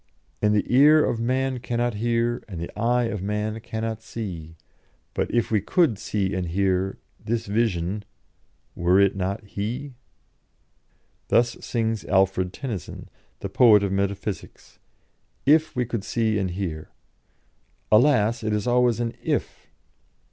"'And the ear of man cannot hear, and the eye of man cannot see, But if we could see and hear, this vision were it not He?' Thus sings Alfred Tennyson, the poet of metaphysics: 'if we could see and hear.' Alas! it is always an 'if!'